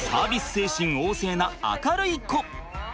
精神旺盛な明るい子。